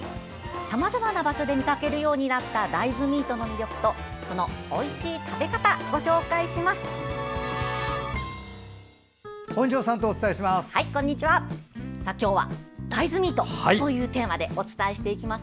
さまざまな場所で見かけるようになった大豆ミートの魅力とそのおいしい食べ方をご紹介します。